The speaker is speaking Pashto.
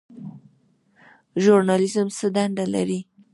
ژورنالیزم څه دنده لري؟